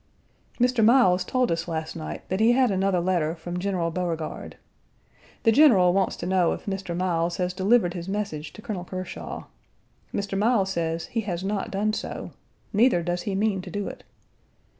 Page 107 Mr. Miles told us last night that he had another letter from General Beauregard. The General wants to know if Mr. Miles has delivered his message to Colonel Kershaw. Mr. Miles says he has not done so; neither does he mean to do it.